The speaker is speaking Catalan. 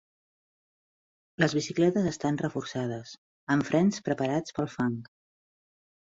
Les bicicletes estan reforçades, amb i frens preparats pel fang.